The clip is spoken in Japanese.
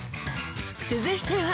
［続いては］